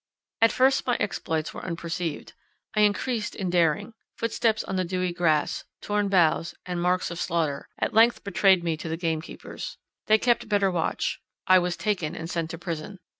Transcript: At first my exploits were unperceived; I increased in daring; footsteps on the dewy grass, torn boughs, and marks of slaughter, at length betrayed me to the game keepers. They kept better watch; I was taken, and sent to prison.